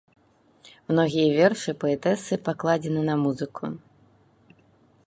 Многія вершы паэтэсы пакладзены на музыку.